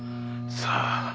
さあ。